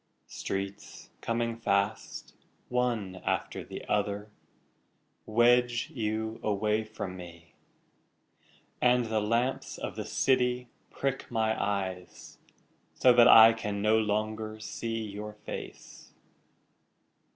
Streets coming fast, One after the other, Wedge you away from me, And the lamps of the city prick my eyes So that I can no longer see your face.